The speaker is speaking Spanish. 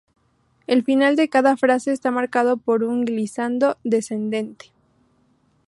El final de cada frase está marcado por un "glissando" descendente.